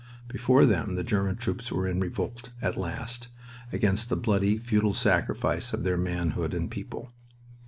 Before them the German troops were in revolt, at last, against the bloody, futile sacrifice of their manhood and people.